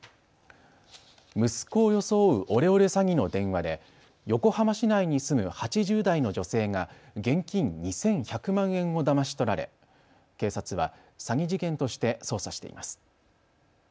息子を装うオレオレ詐欺の電話で横浜市内に住む８０代の女性が現金２１００万円をだまし取られ警察は詐欺事件として捜査しています。